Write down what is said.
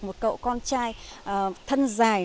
một cậu con trai thân dài